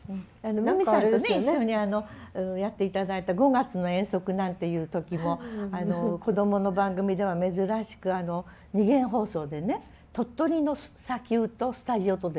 美巳さんとね一緒にやって頂いた「５月の遠足」なんていう時もこどもの番組では珍しく二元放送でね鳥取の砂丘とスタジオとでやったのね。